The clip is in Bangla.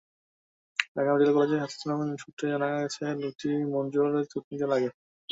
ঢাকা মেডিকেল কলেজ হাসপাতাল সূত্রে জানা গেছে, গুলিটি মনজুরুলের থুতনিতে লাগে।